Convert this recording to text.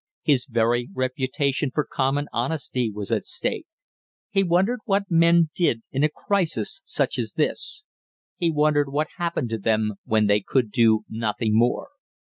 His very reputation for common honesty was at stake. He wondered what men did in a crisis such as this. He wondered what happened to them when they could do nothing more.